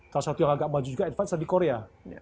salah satu yang agak maju juga advance ada di korea